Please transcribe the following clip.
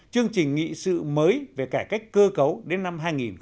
chương trình nghị sự mới về cải cách cơ cấu đến năm hai nghìn ba mươi